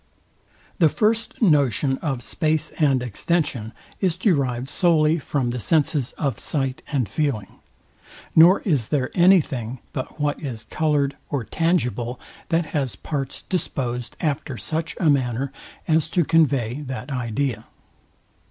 The first notion of space and extension is derived solely from the senses of sight and feeling; nor is there any thing, but what is coloured or tangible, that has parts disposed after such a manner, as to convey that idea.